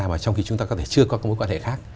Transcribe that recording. và trong khi chúng ta có thể chưa có mối quan hệ khác